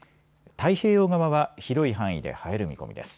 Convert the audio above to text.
太平洋側は広い範囲で晴れる見込みです。